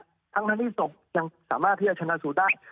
ทั้งที่ศพยังสามารถที่จะชนะสูตรได้